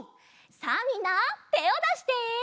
さあみんなてをだして！